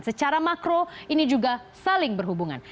secara makro ini juga saling berhubungan